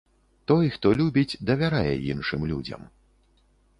Той, хто любіць, давярае іншым людзям.